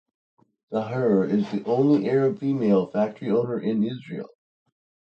Zaher is the only Arab female factory owner in Israel.